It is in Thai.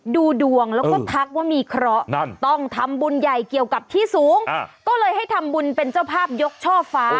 ดูดวงแล้วก็ทักว่ามีเคราะห์นั่นต้องทำบุญใหญ่เกี่ยวกับที่สูงก็เลยให้ทำบุญเป็นเจ้าภาพยกช่อฟ้า